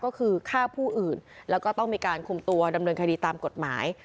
ก็คือฆ่าผู้อื่นแล้วก็ต้องมีการคุมตัวดำเนินคดีตามกฎหมาย